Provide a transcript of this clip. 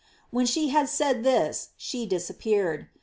When she had said this she disappeared.